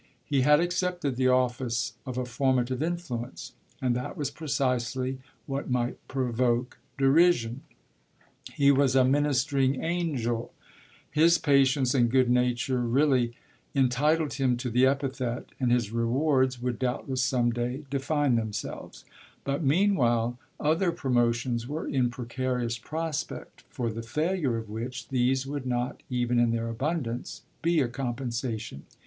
He had accepted the office of a formative influence; and that was precisely what might provoke derision. He was a ministering angel his patience and good nature really entitled him to the epithet and his rewards would doubtless some day define themselves; but meanwhile other promotions were in precarious prospect, for the failure of which these would not even in their abundance, be a compensation.